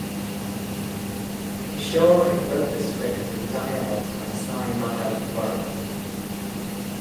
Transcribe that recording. Kishore wrote the script with dialogues by Sai Madhav Burra.